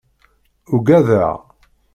Uggadeɣ.